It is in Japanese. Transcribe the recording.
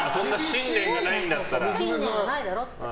信念がないだろって。